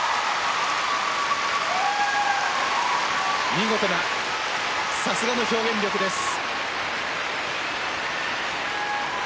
見事なさすがの表現力です。